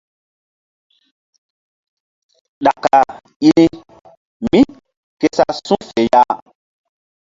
Ɗaka i ni mí ke sa su̧ fe ya.